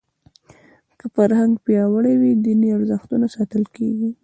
که فرهنګ پیاوړی وي دیني ارزښتونه ساتل کېږي.